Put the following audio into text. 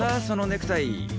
そのネクタイ。